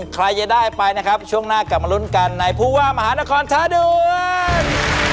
ใครจะได้ไปนะครับช่วงหน้ากลับมาลุ้นกันในผู้ว่ามหานครท้าด่วน